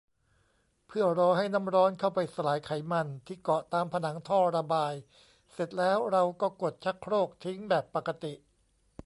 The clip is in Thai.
เพื่อรอให้น้ำร้อนเข้าไปสลายไขมันที่เกาะตามผนังท่อระบาย เสร็จแล้วเราก็กดชักโครกทิ้งแบบปกติ